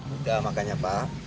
udah makanya pak